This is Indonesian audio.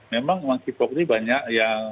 memang monkeypox ini banyak yang